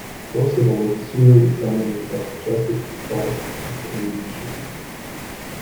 Most of all, the scenery is dominated by majestic forests on the Canadian Shield.